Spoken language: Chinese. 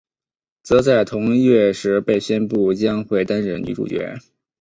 则在同月时被宣布将会担任女主角。